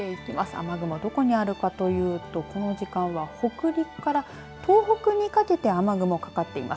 雨雲、どこにあるかというとこの時間は北陸から東北にかけて雨雲、かかっています。